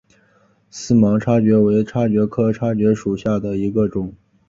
思茅叉蕨为叉蕨科叉蕨属下的一个种。